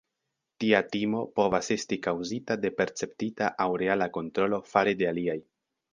Tia timo povas esti kaŭzita de perceptita aŭ reala kontrolo fare de aliaj.